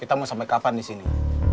kita mau sampai kapan di sini